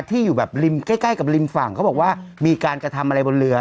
ที่อยู่แบบริมใกล้ใกล้กับริมฝั่งเขาบอกว่ามีการกระทำอะไรบนเรือ